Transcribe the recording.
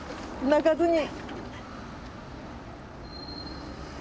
泣かずに。